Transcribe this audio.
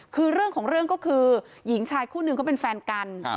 คือเรื่องของเรื่องก็คือหญิงชายคู่นึงเขาเป็นแฟนกัน